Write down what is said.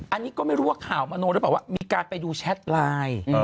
อันนี้ก็ไม่รู้ว่าข่าวมโนหรือเปล่าว่ามีการไปดูแชทไลน์